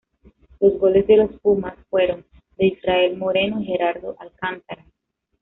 Los goles de los Pumas fueron de Israel Moreno y Gerardo Alcántara.